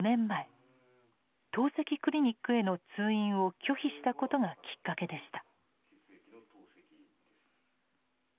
透析クリニックへの通院を拒否したことがきっかけでした。